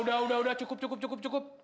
udah udah udah cukup cukup cukup